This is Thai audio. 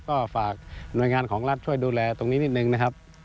ก็ฝากหน่วยงานของรัฐช่วยดูแลตรงนี้นิดนึงนะครับ